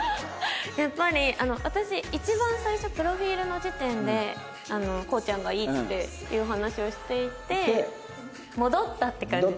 やっぱり私一番最初プロフィールの時点で航ちゃんがいいっていう話をしていて戻ったって感じです。